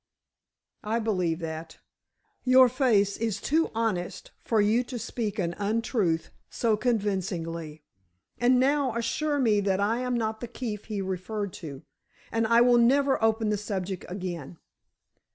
"I believe that. Your face is too honest for you to speak an untruth so convincingly. And now assure me that I am not the Keefe he referred to, and I will never open the subject again."